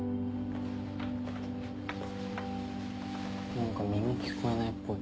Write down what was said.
何か耳聞こえないっぽい。